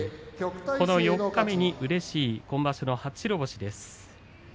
この四日目にうれしい今場所の初白星です。